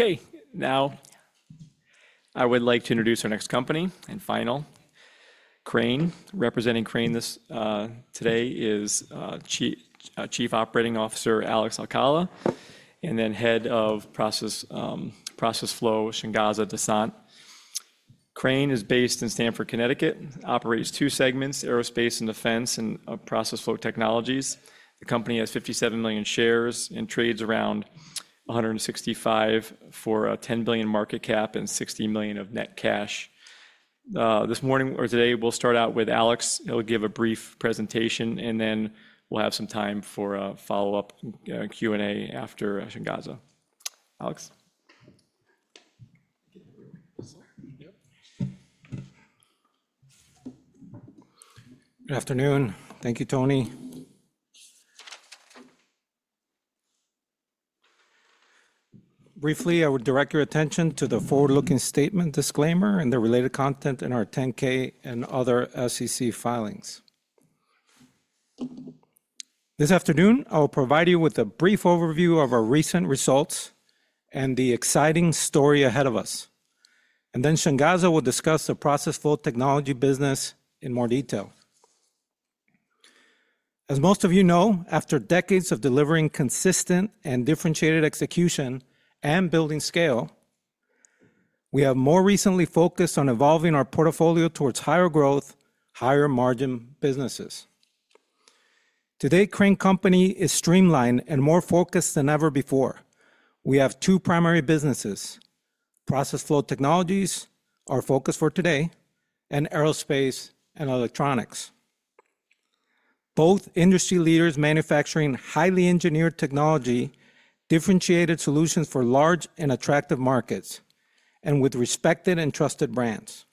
Okay. Now, I would like to introduce our next company and final. Crane, representing Crane here today, is Chief Operating Officer Alex Alcala, and then Head of Process Flow, Shangaza Dasent. Crane is based in Stamford, Connecticut, operates two segments: Aerospace & Electronics, and Process Flow Technologies. The company has 57 million shares and trades around $165 for a $10 billion market cap and $60 million of net cash. This morning or today, we'll start out with Alex. He'll give a brief presentation, and then we'll have some time for a follow-up Q&A after Shangaza. Alex. Yep. Good afternoon. Thank you, Tony. Briefly, I would direct your attention to the forward-looking statement disclaimer and the related content in our Form 10-K and other SEC filings. This afternoon, I will provide you with a brief overview of our recent results and the exciting story ahead of us, and then Shangaza will discuss the Process Flow Technology business in more detail. As most of you know, after decades of delivering consistent and differentiated execution and building scale, we have more recently focused on evolving our portfolio towards higher growth, higher margin businesses. Today, Crane Company is streamlined and more focused than ever before. We have two primary businesses: Process Flow Technologies, our focus for today, and Aerospace & Electronics. Both industry leaders manufacturing highly engineered technology, differentiated solutions for large and attractive markets, and with respected and trusted brands.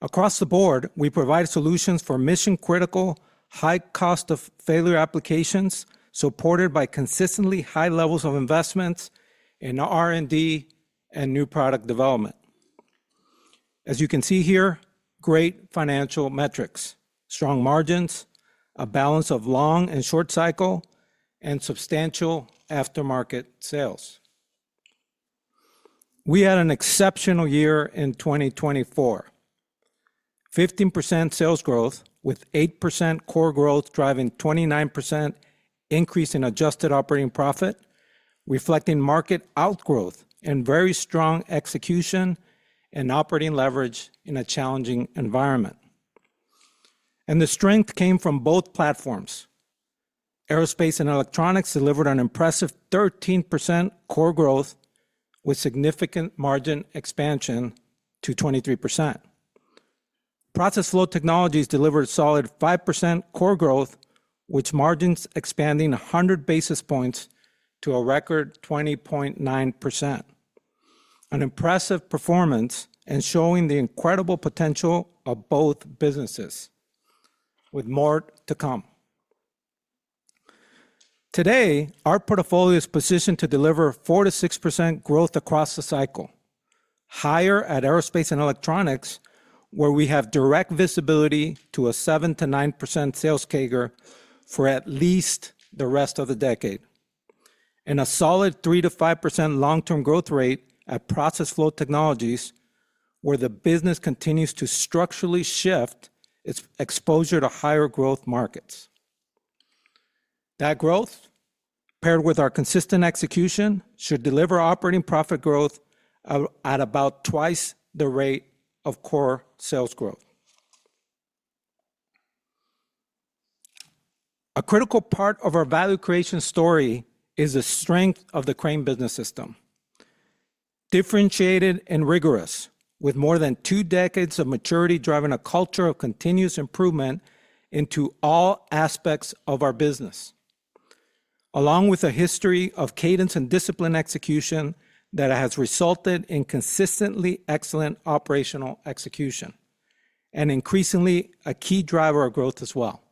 Across the board, we provide solutions for mission-critical, high-cost-of-failure applications supported by consistently high levels of investments in R&D and new product development. As you can see here, great financial metrics, strong margins, a balance of long and short cycle, and substantial aftermarket sales. We had an exceptional year in 2024: 15% sales growth with 8% core growth, driving 29% increase in adjusted operating profit, reflecting market outgrowth and very strong execution and operating leverage in a challenging environment, and the strength came from both platforms. Aerospace & Electronics delivered an impressive 13% core growth with significant margin expansion to 23%. Process Flow Technologies delivered solid 5% core growth, with margins expanding 100 basis points to a record 20.9%. An impressive performance and showing the incredible potential of both businesses, with more to come. Today, our portfolio is positioned to deliver 4%-6% growth across the cycle, higher at Aerospace & Electronics, where we have direct visibility to a 7%-9% sales CAGR for at least the rest of the decade, and a solid 3%-5% long-term growth rate at Process Flow Technologies, where the business continues to structurally shift its exposure to higher growth markets. That growth, paired with our consistent execution, should deliver operating profit growth at about twice the rate of core sales growth. A critical part of our value creation story is the strength of the Crane Business System: differentiated and rigorous, with more than two decades of maturity driving a culture of continuous improvement into all aspects of our business, along with a history of cadence and disciplined execution that has resulted in consistently excellent operational execution, and increasingly a key driver of growth as well.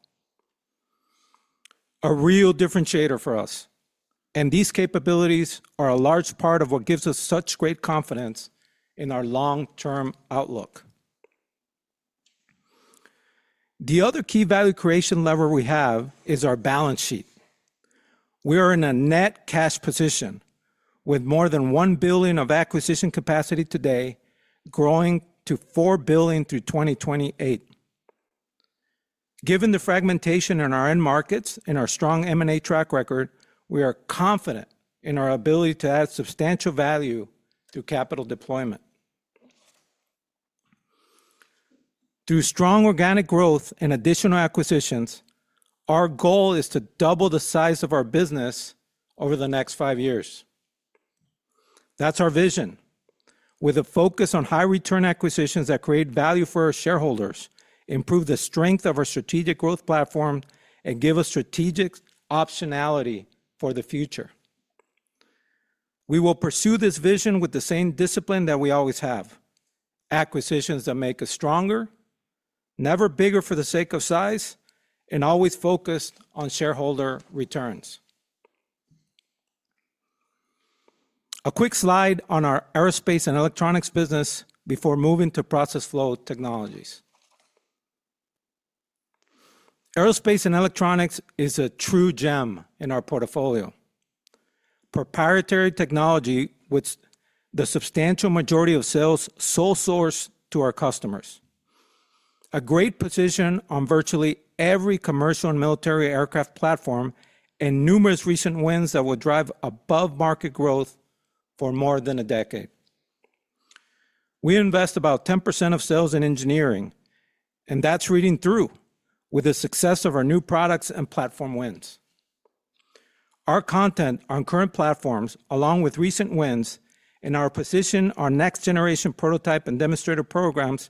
A real differentiator for us, and these capabilities are a large part of what gives us such great confidence in our long-term outlook. The other key value creation lever we have is our balance sheet. We are in a net cash position with more than $1 billion of acquisition capacity today, growing to $4 billion through 2028. Given the fragmentation in our end markets and our strong M&A track record, we are confident in our ability to add substantial value through capital deployment. Through strong organic growth and additional acquisitions, our goal is to double the size of our business over the next five years. That's our vision, with a focus on high-return acquisitions that create value for our shareholders, improve the strength of our strategic growth platform, and give us strategic optionality for the future. We will pursue this vision with the same discipline that we always have: acquisitions that make us stronger, never bigger for the sake of size, and always focused on shareholder returns. A quick slide on our Aerospace & Electronics business before moving to Process Flow Technologies. Aerospace & Electronics is a true gem in our portfolio: proprietary technology, with the substantial majority of sales sole-sourced to our customers, a great position on virtually every commercial and military aircraft platform, and numerous recent wins that will drive above-market growth for more than a decade. We invest about 10% of sales in engineering, and that's reading through with the success of our new products and platform wins. Our content on current platforms, along with recent wins in our position, our next-generation prototype and demonstrator programs,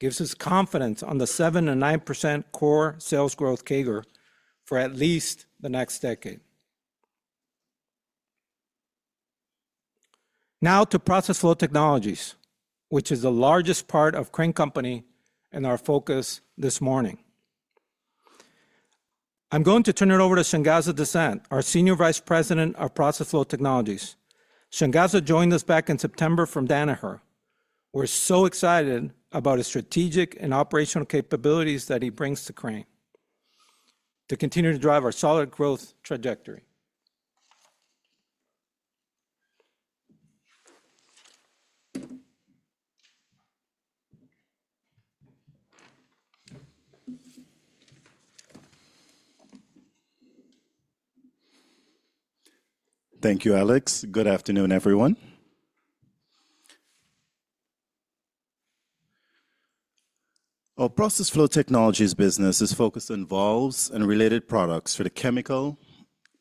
gives us confidence on the 7%-9% core sales growth CAGR for at least the next decade. Now to Process Flow Technologies, which is the largest part of Crane Company and our focus this morning. I'm going to turn it over to Shangaza Dasent, our Senior Vice President of Process Flow Technologies. Shangaza joined us back in September from Danaher. We're so excited about his strategic and operational capabilities that he brings to Crane to continue to drive our solid growth trajectory. Thank you, Alex. Good afternoon, everyone. Our Process Flow Technologies business is focused on valves and related products for the chemical,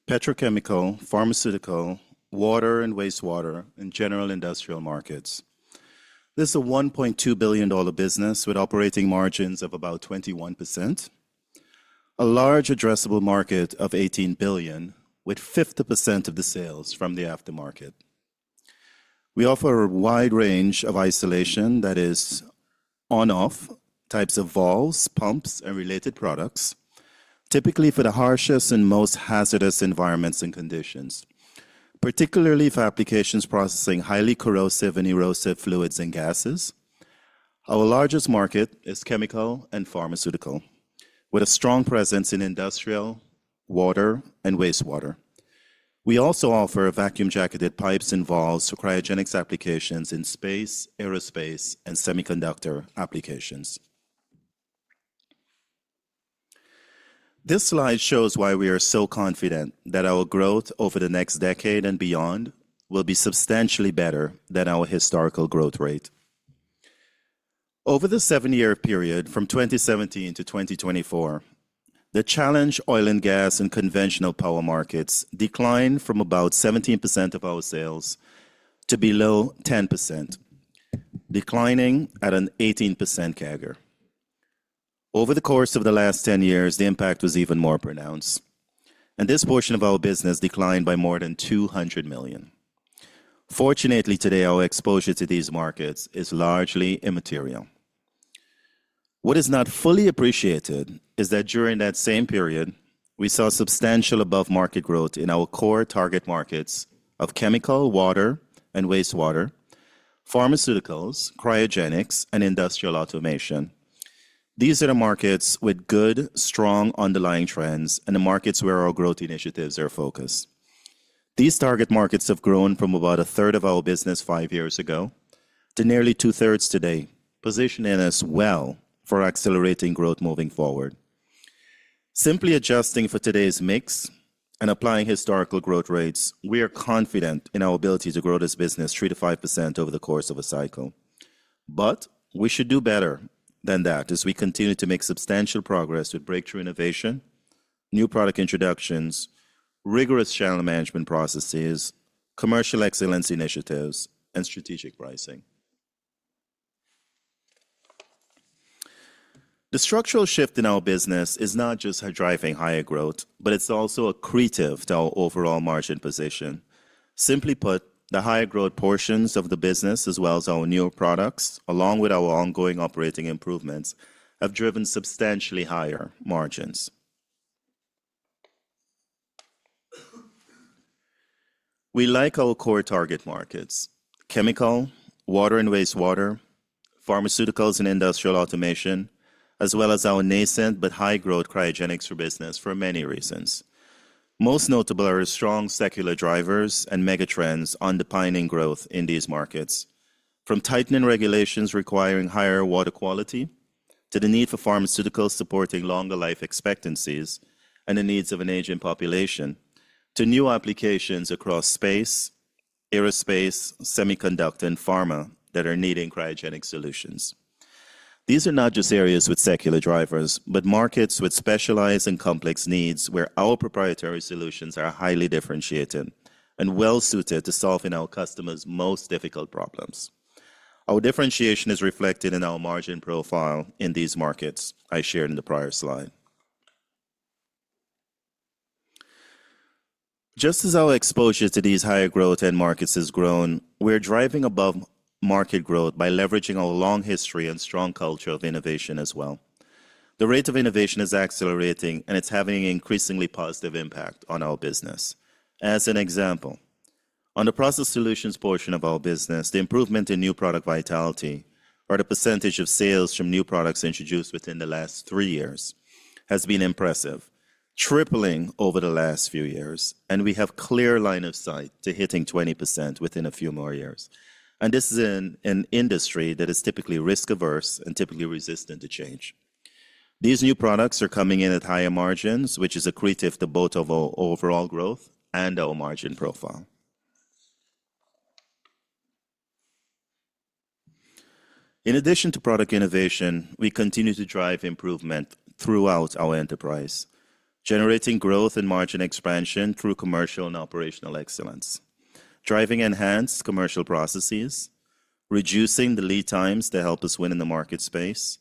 petrochemical, pharmaceutical, water, and wastewater in general industrial markets. This is a $1.2 billion business with operating margins of about 21%, a large addressable market of $18 billion, with 50% of the sales from the aftermarket. We offer a wide range of isolation that is on-off types of valves, pumps, and related products, typically for the harshest and most hazardous environments and conditions, particularly for applications processing highly corrosive and erosive fluids and gases. Our largest market is chemical and pharmaceutical, with a strong presence in industrial, water, and wastewater. We also offer vacuum-jacketed pipes and valves for cryogenic applications in space, aerospace, and semiconductor applications. This slide shows why we are so confident that our growth over the next decade and beyond will be substantially better than our historical growth rate. Over the seven-year period from 2017 to 2024, the challenged oil and gas and conventional power markets declined from about 17% of our sales to below 10%, declining at an 18% CAGR. Over the course of the last 10 years, the impact was even more pronounced, and this portion of our business declined by more than $200 million. Fortunately, today, our exposure to these markets is largely immaterial. What is not fully appreciated is that during that same period, we saw substantial above-market growth in our core target markets of chemical, water, and wastewater, pharmaceuticals, cryogenics, and industrial automation. These are the markets with good, strong underlying trends and the markets where our growth initiatives are focused. These target markets have grown from about a third of our business five years ago to nearly two-thirds today, positioning us well for accelerating growth moving forward. Simply adjusting for today's mix and applying historical growth rates, we are confident in our ability to grow this business 3%-5% over the course of a cycle. But we should do better than that as we continue to make substantial progress with breakthrough innovation, new product introductions, rigorous channel management processes, commercial excellence initiatives, and strategic pricing. The structural shift in our business is not just driving higher growth, but it's also accretive to our overall margin position. Simply put, the higher growth portions of the business, as well as our newer products, along with our ongoing operating improvements, have driven substantially higher margins. We like our core target markets: chemical, water, and wastewater, pharmaceuticals and industrial automation, as well as our nascent but high-growth cryogenics business for many reasons. Most notable are strong secular drivers and megatrends underpinning growth in these markets, from tightening regulations requiring higher water quality to the need for pharmaceuticals supporting longer life expectancies and the needs of an aging population, to new applications across space, aerospace, semiconductor, and pharma that are needing cryogenic solutions. These are not just areas with secular drivers, but markets with specialized and complex needs where our proprietary solutions are highly differentiated and well-suited to solving our customers' most difficult problems. Our differentiation is reflected in our margin profile in these markets I shared in the prior slide. Just as our exposure to these higher growth end markets has grown, we're driving above-market growth by leveraging our long history and strong culture of innovation as well. The rate of innovation is accelerating, and it's having an increasingly positive impact on our business. As an example, on the process solutions portion of our business, the improvement in new product vitality or the percentage of sales from new products introduced within the last three years has been impressive, tripling over the last few years, and we have a clear line of sight to hitting 20% within a few more years, and this is in an industry that is typically risk-averse and typically resistant to change. These new products are coming in at higher margins, which is accretive to both of our overall growth and our margin profile. In addition to product innovation, we continue to drive improvement throughout our enterprise, generating growth and margin expansion through commercial and operational excellence, driving enhanced commercial processes, reducing the lead times to help us win in the market space,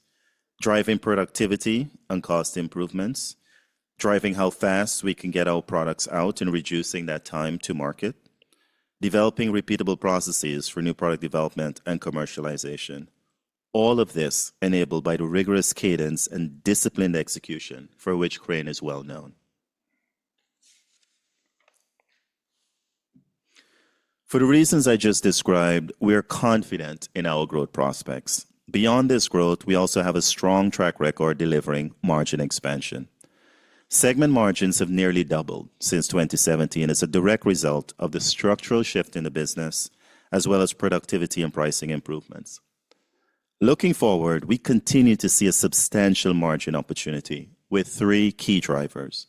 driving productivity and cost improvements, driving how fast we can get our products out and reducing that time to market, developing repeatable processes for new product development and commercialization. All of this enabled by the rigorous cadence and disciplined execution for which Crane is well known. For the reasons I just described, we are confident in our growth prospects. Beyond this growth, we also have a strong track record delivering margin expansion. Segment margins have nearly doubled since 2017, as a direct result of the structural shift in the business, as well as productivity and pricing improvements. Looking forward, we continue to see a substantial margin opportunity with three key drivers.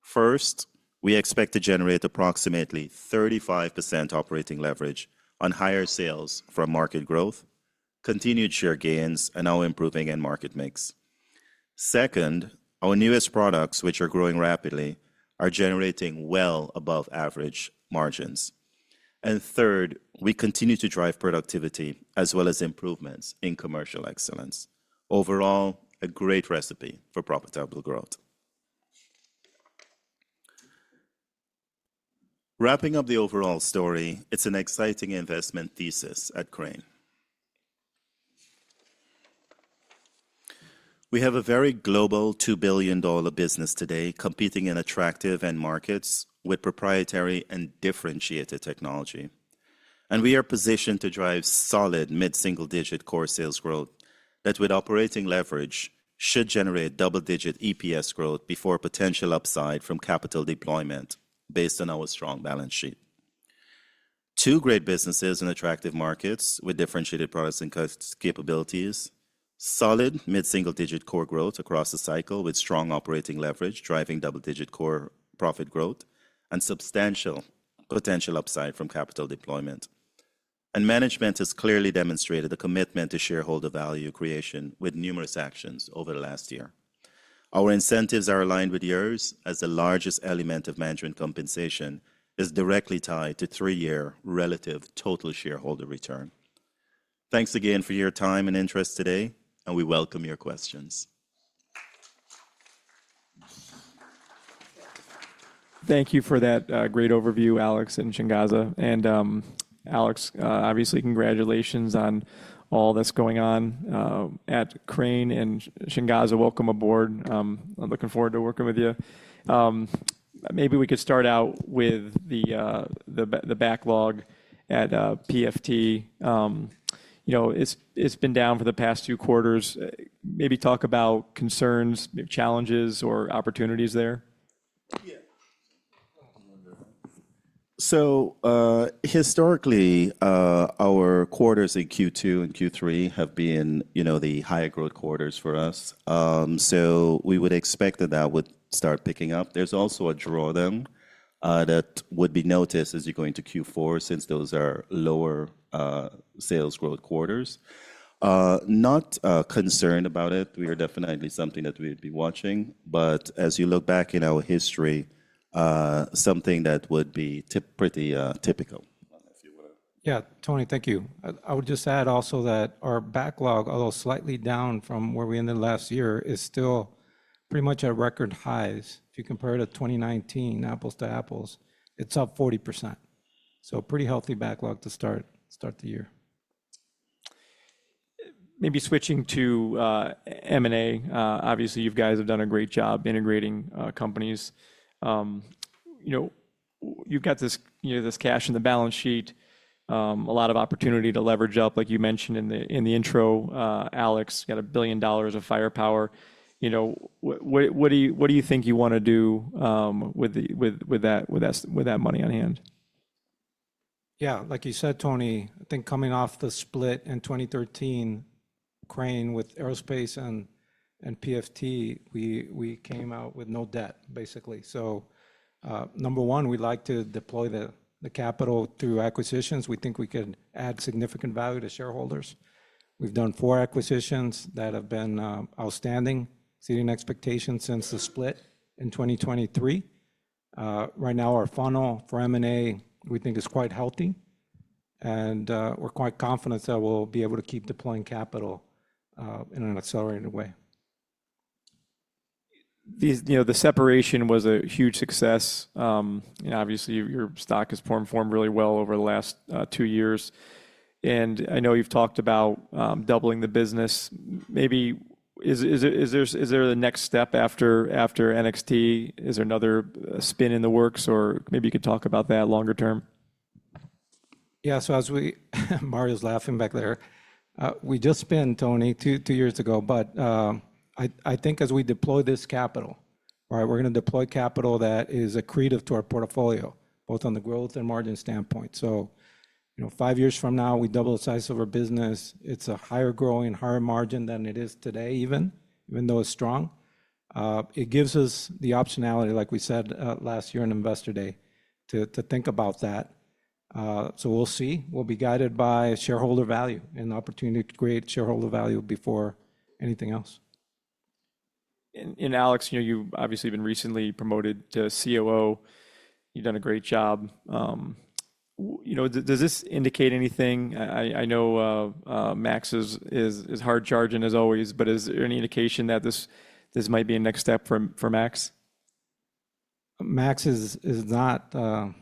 First, we expect to generate approximately 35% operating leverage on higher sales from market growth, continued share gains, and our improving end market mix. Second, our newest products, which are growing rapidly, are generating well above-average margins. And third, we continue to drive productivity as well as improvements in commercial excellence. Overall, a great recipe for profitable growth. Wrapping up the overall story, it's an exciting investment thesis at Crane. We have a very global $2 billion business today competing in attractive end markets with proprietary and differentiated technology, and we are positioned to drive solid mid-single-digit core sales growth that, with operating leverage, should generate double-digit EPS growth before potential upside from capital deployment based on our strong balance sheet. Two great businesses in attractive markets with differentiated products and capabilities, solid mid-single-digit core growth across the cycle with strong operating leverage driving double-digit core profit growth and substantial potential upside from capital deployment. And management has clearly demonstrated the commitment to shareholder value creation with numerous actions over the last year. Our incentives are aligned with yours as the largest element of management compensation is directly tied to three-year relative total shareholder return. Thanks again for your time and interest today, and we welcome your questions. Thank you for that great overview, Alex and Shangaza. And Alex, obviously, congratulations on all that's going on at Crane. And Shangaza, welcome aboard. I'm looking forward to working with you. Maybe we could start out with the backlog at PFT. It's been down for the past two quarters. Maybe talk about concerns, challenges, or opportunities there. Yeah. So historically, our quarters in Q2 and Q3 have been the higher growth quarters for us. So we would expect that that would start picking up. There's also a drawdown that would be noticed as you go into Q4 since those are lower sales growth quarters. Not concerned about it. We are definitely something that we would be watching. But as you look back in our history, something that would be pretty typical if you will. Yeah, Tony, thank you. I would just add also that our backlog, although slightly down from where we ended last year, is still pretty much at record highs. If you compare it to 2019, apples to apples, it's up 40%. So pretty healthy backlog to start the year. Maybe switching to M&A, obviously, you guys have done a great job integrating companies. You've got this cash in the balance sheet, a lot of opportunity to leverage up, like you mentioned in the intro, Alex, you've got $1 billion of firepower. What do you think you want to do with that money on hand? Yeah, like you said, Tony, I think coming off the split in 2013, Crane with aerospace and PFT, we came out with no debt, basically. So number one, we'd like to deploy the capital through acquisitions. We think we could add significant value to shareholders. We've done four acquisitions that have been outstanding, exceeding expectations since the split in 2023. Right now, our funnel for M&A, we think, is quite healthy, and we're quite confident that we'll be able to keep deploying capital in an accelerated way. The separation was a huge success. Obviously, your stock has performed really well over the last two years. And I know you've talked about doubling the business. Maybe is there a next step after NXT? Is there another spin in the works? Or maybe you could talk about that longer term? Yeah, so as we Mario's laughing back there, we just spun, Tony, two years ago. But I think as we deploy this capital, we're going to deploy capital that is accretive to our portfolio, both on the growth and margin standpoint. So five years from now, we double the size of our business. It's a higher growing, higher margin than it is today, even though it's strong. It gives us the optionality, like we said last year on Investor Day, to think about that. So we'll see. We'll be guided by shareholder value and the opportunity to create shareholder value before anything else. Alex, you've obviously been recently promoted to COO. You've done a great job. Does this indicate anything? I know Max is hard charging, as always, but is there any indication that this might be a next step for Max? Max is not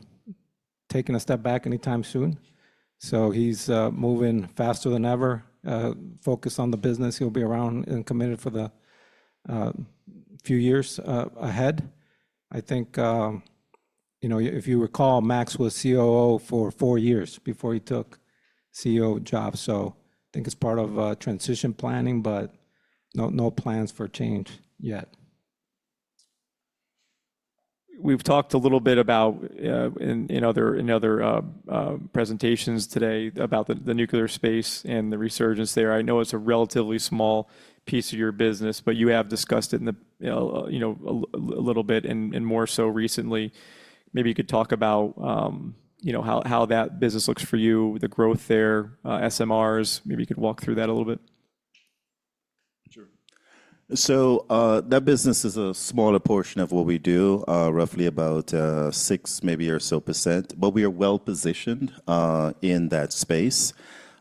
taking a step back anytime soon. So he's moving faster than ever, focused on the business. He'll be around and committed for the few years ahead. I think if you recall, Max was COO for four years before he took CEO jobs. So I think it's part of transition planning, but no plans for change yet. We've talked a little bit about in other presentations today about the nuclear space and the resurgence there. I know it's a relatively small piece of your business, but you have discussed it a little bit and more so recently. Maybe you could talk about how that business looks for you, the growth there, SMRs. Maybe you could walk through that a little bit. Sure. So that business is a smaller portion of what we do, roughly about six, maybe or so percent, but we are well-positioned in that space.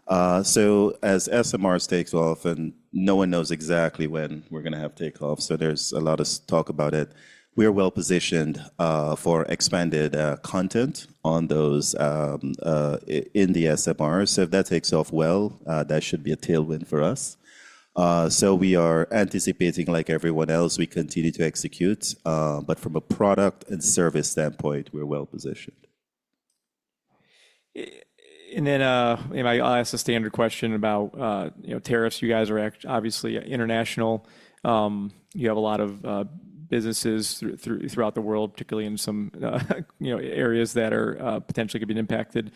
So as SMRs take off, and no one knows exactly when we're going to have takeoff, so there's a lot of talk about it. We are well-positioned for expanded content in the SMRs. So if that takes off well, that should be a tailwind for us. So we are anticipating, like everyone else, we continue to execute. But from a product and service standpoint, we're well-positioned. And then I'll ask a standard question about tariffs. You guys are obviously international. You have a lot of businesses throughout the world, particularly in some areas that potentially could be impacted.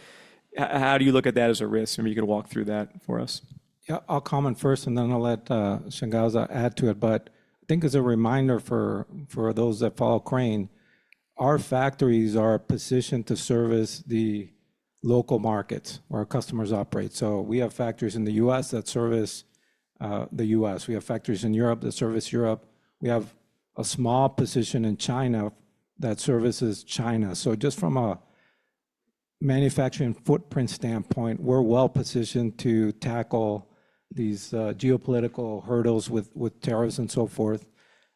How do you look at that as a risk? Maybe you could walk through that for us. Yeah, I'll comment first, and then I'll let Shangaza add to it. But I think as a reminder for those that follow Crane, our factories are positioned to service the local markets where our customers operate. So we have factories in the U.S. that service the U.S. We have factories in Europe that service Europe. We have a small position in China that services China. So just from a manufacturing footprint standpoint, we're well-positioned to tackle these geopolitical hurdles with tariffs and so forth.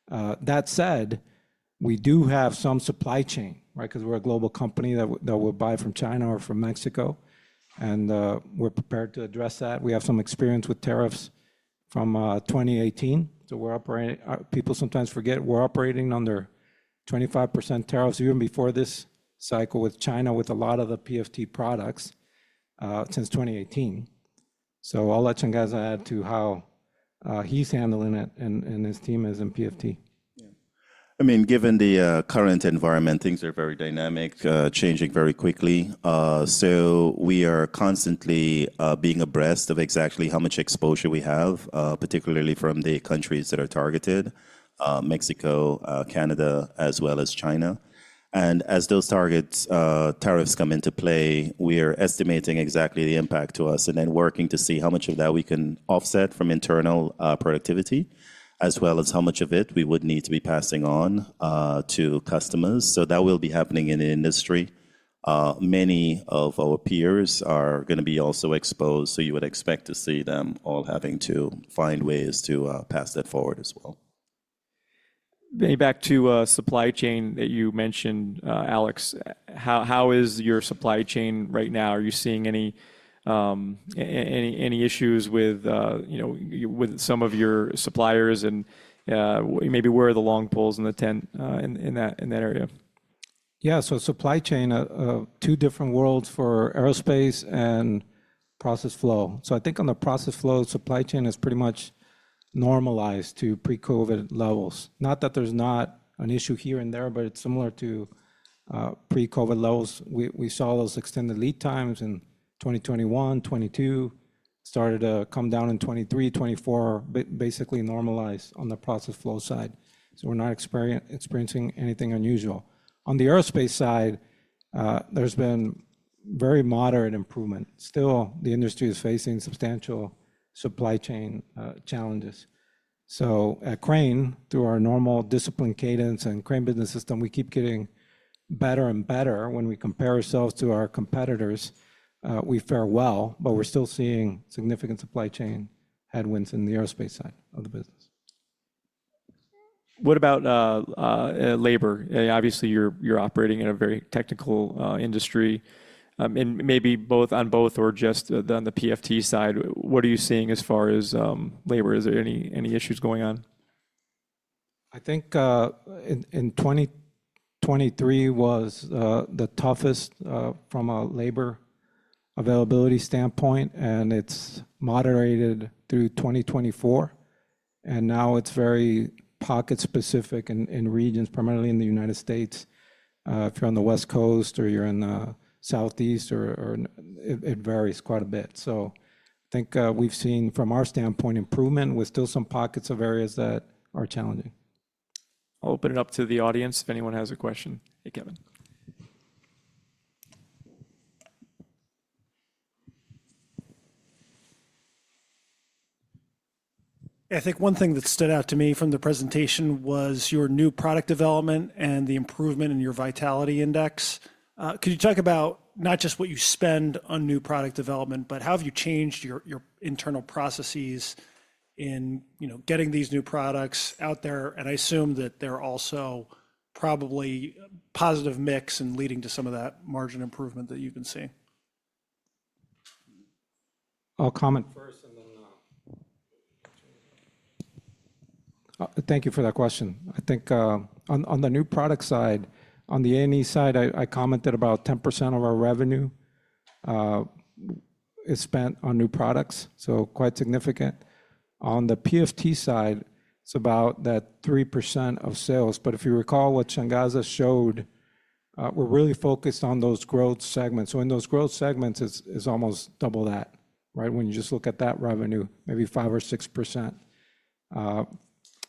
That said, we do have some supply chain because we're a global company that will buy from China or from Mexico, and we're prepared to address that. We have some experience with tariffs from 2018. So people sometimes forget we're operating under 25% tariffs even before this cycle with China, with a lot of the PFT products since 2018. So I'll let Shangaza add to how he's handling it and his team is in PFT. Yeah. I mean, given the current environment, things are very dynamic, changing very quickly. So we are constantly being abreast of exactly how much exposure we have, particularly from the countries that are targeted, Mexico, Canada, as well as China. And as those target tariffs come into play, we are estimating exactly the impact to us and then working to see how much of that we can offset from internal productivity, as well as how much of it we would need to be passing on to customers. So that will be happening in the industry. Many of our peers are going to be also exposed, so you would expect to see them all having to find ways to pass that forward as well. Maybe back to supply chain that you mentioned, Alex, how is your supply chain right now? Are you seeing any issues with some of your suppliers? And maybe where are the long poles in the tent in that area? Yeah, so supply chain, two different worlds for Aerospace and Process Flow. So I think on the Process Flow, supply chain has pretty much normalized to pre-COVID levels. Not that there's not an issue here and there, but it's similar to pre-COVID levels. We saw those extended lead times in 2021, 2022, started to come down in 2023, 2024, basically normalized on the Process Flow side. So we're not experiencing anything unusual. On the aerospace side, there's been very moderate improvement. Still, the industry is facing substantial supply chain challenges. So at Crane, through our normal discipline cadence and Crane Business System, we keep getting better and better. When we compare ourselves to our competitors, we fare well, but we're still seeing significant supply chain headwinds in the aerospace side of the business. What about labor? Obviously, you're operating in a very technical industry and maybe both on both or just on the PFT side, what are you seeing as far as labor? Is there any issues going on? I think in 2023 was the toughest from a labor availability standpoint, and it's moderated through 2024, and now it's very pocket-specific in regions, primarily in the United States. If you're on the West Coast or you're in the Southeast, it varies quite a bit, so I think we've seen, from our standpoint, improvement with still some pockets of areas that are challenging. I'll open it up to the audience if anyone has a question. Hey, Kevin. I think one thing that stood out to me from the presentation was your new product development and the improvement in your vitality index. Could you talk about not just what you spend on new product development, but how have you changed your internal processes in getting these new products out there, and I assume that they're also probably positive mix and leading to some of that margin improvement that you can see. I'll comment first and then Shangaza. Thank you for that question. I think on the new product side, on the A&E side, I commented about 10% of our revenue is spent on new products, so quite significant. On the PFT side, it's about that 3% of sales, but if you recall what Shangaza showed, we're really focused on those growth segments, so in those growth segments, it's almost double that when you just look at that revenue, maybe 5% or 6%.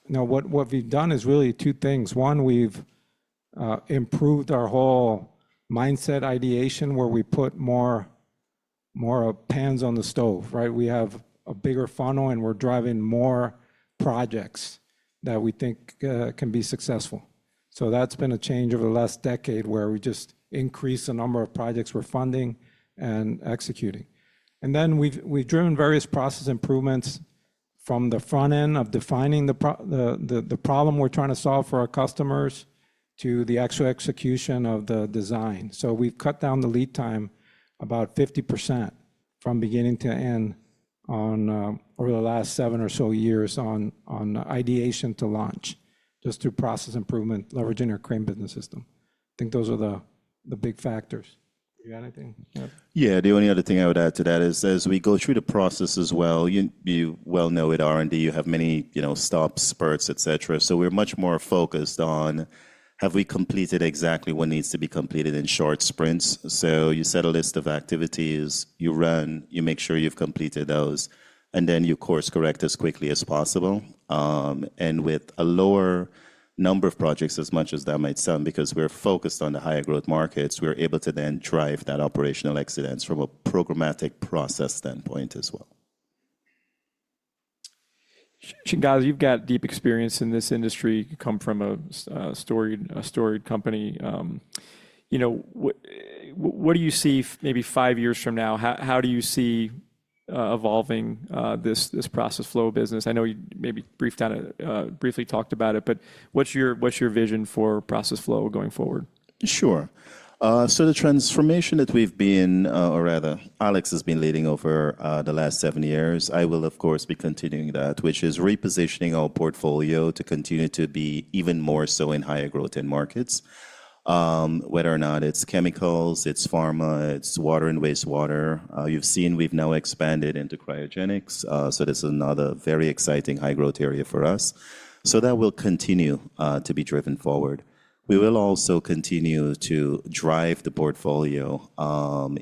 Now, what we've done is really two things. One, we've improved our whole mindset ideation where we put more pans on the stove. We have a bigger funnel, and we're driving more projects that we think can be successful, so that's been a change over the last decade where we just increase the number of projects we're funding and executing. Then we've driven various process improvements from the front end of defining the problem we're trying to solve for our customers to the actual execution of the design. We've cut down the lead time about 50% from beginning to end over the last seven or so years on ideation to launch just through process improvement, leveraging our Crane Business System. I think those are the big factors. Do you have anything? Yeah, the only other thing I would add to that is as we go through the process as well. You well know with R&D, you have many stops, spurts, et cetera. So we're much more focused on have we completed exactly what needs to be completed in short sprints. So you set a list of activities, you run, you make sure you've completed those, and then you course correct as quickly as possible. And with a lower number of projects, as much as that might sound, because we're focused on the higher growth markets, we're able to then drive that operational excellence from a programmatic process standpoint as well. Shangaza, you've got deep experience in this industry. You come from a storied company. What do you see maybe five years from now? How do you see evolving this Process Flow business? I know you maybe briefly talked about it, but what's your vision for Process Flow going forward? Sure. So the transformation that we've been, or rather Alex has been leading over the last seven years, I will, of course, be continuing that, which is repositioning our portfolio to continue to be even more so in higher growth in markets, whether or not it's chemicals, it's pharma, it's water and wastewater. You've seen we've now expanded into cryogenics. So this is another very exciting high growth area for us. So that will continue to be driven forward. We will also continue to drive the portfolio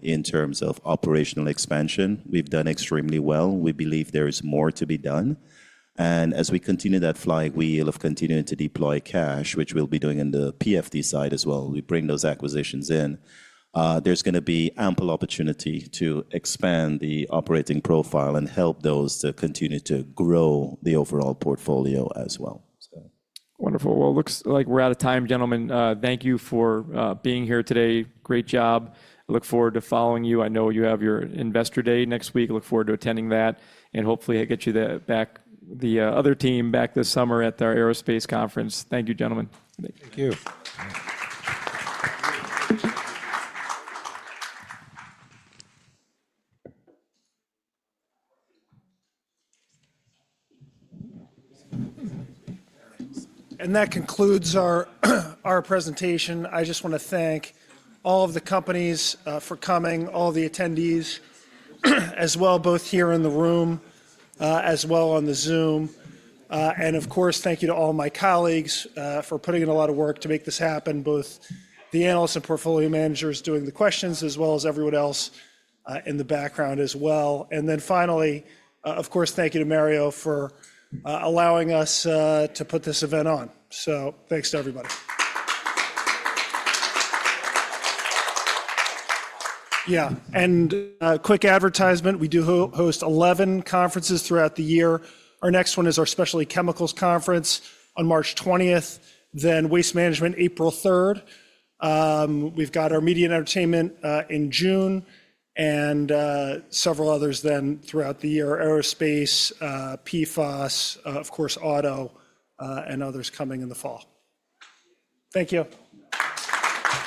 in terms of operational expansion. We've done extremely well. We believe there is more to be done. And as we continue that flywheel of continuing to deploy cash, which we'll be doing on the PFT side as well, we bring those acquisitions in. There's going to be ample opportunity to expand the operating profile and help those to continue to grow the overall portfolio as well. Wonderful. Well, it looks like we're out of time, gentlemen. Thank you for being here today. Great job. Look forward to following you. I know you have your Investor Day next week. Look forward to attending that. And hopefully, I'll get you back, the other team, back this summer at our aerospace conference. Thank you, gentlemen. Thank you. That concludes our presentation. I just want to thank all of the companies for coming, all the attendees as well, both here in the room as well on the Zoom. Of course, thank you to all my colleagues for putting in a lot of work to make this happen, both the analysts and portfolio managers doing the questions as well as everyone else in the background as well. Then finally, of course, thank you to Mario for allowing us to put this event on. Thanks to everybody. Yeah, a quick advertisement. We do host 11 conferences throughout the year. Our next one is our Specialty Chemicals Conference on March 20th, then Waste Management April 3rd. We've got our Media and Entertainment in June and several others then throughout the year, Aerospace, PFAS, of course, Auto, and others coming in the fall. Thank you.